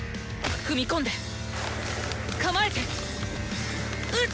踏み込んで構えてうつ！